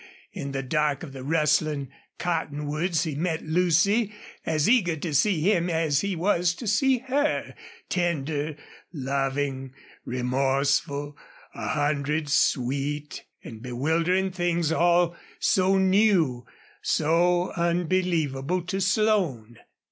In the dark of the rustling cottonwoods he met Lucy, as eager to see him as he was to see her, tender, loving, remorseful a hundred sweet and bewildering things all so new, so unbelievable to Slone.